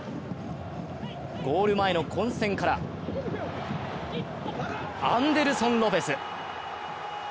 ゴール前の混戦からアンデルソン・ロペス。